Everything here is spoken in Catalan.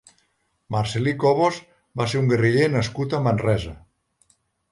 Marcel·lí Cobos va ser un guerriller nascut a Manresa.